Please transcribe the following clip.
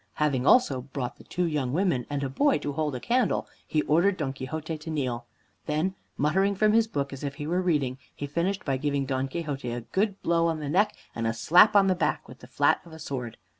Having also brought the two young women, and a boy to hold a candle, he ordered Don Quixote to kneel. Then muttering from his book, as if he were reading, he finished by giving Don Quixote a good blow on the neck, and a slap on the back, with the flat of a sword.